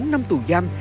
bốn năm tù giam